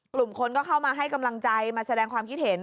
กลุ่มคนก็เข้ามาให้กำลังใจมาแสดงความคิดเห็น